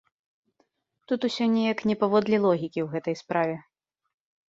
Тут усё неяк не паводле логікі ў гэтай справе.